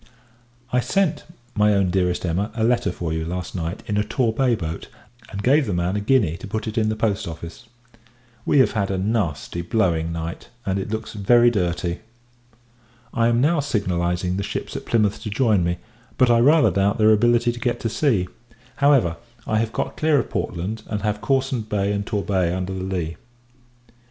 I sent, my own Dearest Emma, a letter for you, last night, in a Torbay boat, and gave the man a guinea to put it in the Post Office. We have had a nasty blowing night, and it looks very dirty. I am now signalizing the ships at Plymouth to join me; but, I rather doubt their ability to get to sea. However, I have got clear of Portland, and have Cawsand Bay and Torbay under the lee.